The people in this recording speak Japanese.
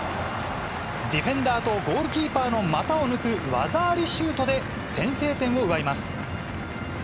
ディフェンダーとゴールキーパーの股を抜く技ありシュートで、先制点を奪います。